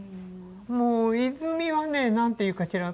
もう泉はねなんていうかしら。